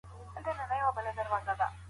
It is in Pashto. انسانان د یو بل تکمیلونکي بلل کیږي.